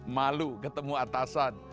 malu ketemu atasan